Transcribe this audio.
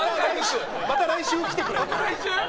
また来週来てくれ。